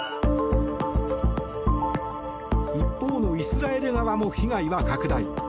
一方のイスラエル側も被害は拡大。